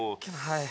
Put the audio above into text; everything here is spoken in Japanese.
はい。